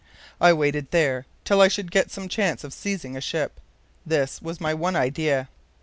I waited there till I should get some chance of seizing a ship. This was my one idea.